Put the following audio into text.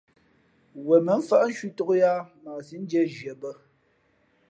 Wen mάmfάʼ cwītōk yāā mα a síʼ ndīē nzhie bᾱ.